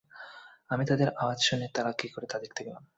আমি তাদের আওয়াজ শুনে তারা কী করে তা দেখতে গেলাম।